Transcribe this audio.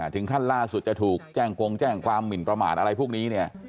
ถึงขั้นล่าสุดจะถูกแจ้งกงแจ้งความหมินประมาทอะไรพวกนี้เนี่ย